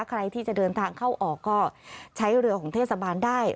ใครที่จะเดินทางเข้าออกก็ใช้เรือของเทศบาลได้